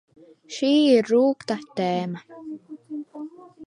Šī ir rūgtā tēma...